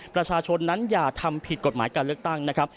ประชาชนนั้นอย่าทำผิดกฎหมายการเลือกตั้งนะครับ